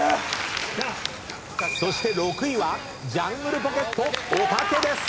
そして６位はジャングルポケットおたけです。